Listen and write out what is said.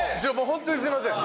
本当にすみません。